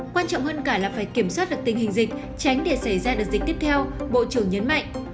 quan trọng hơn cả là phải kiểm soát được tình hình dịch tránh để xảy ra đợt dịch tiếp theo bộ trưởng nhấn mạnh